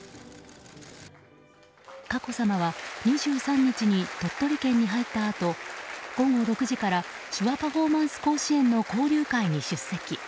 佳子さまは２３日に鳥取県に入ったあと午後６時から手話パフォーマンス甲子園の交流会に出席。